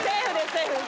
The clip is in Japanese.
セーフ！